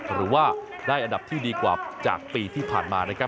หรือว่าได้อันดับที่ดีกว่าจากปีที่ผ่านมานะครับ